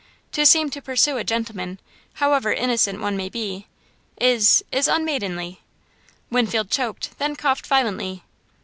To seem to pursue a gentleman, however innocent one may be, is is unmaidenly." Winfield choked, then coughed violently.